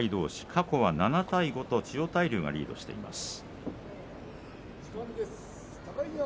過去は７対５と千代大龍がリードしています。